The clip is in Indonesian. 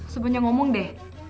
sebenarnya ngomong deh